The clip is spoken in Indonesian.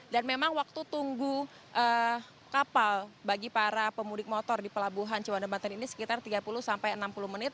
dan memang waktu tunggu kapal bagi para pemudik motor di pelabuhan ciwan dan banten ini sekitar tiga puluh sampai enam puluh menit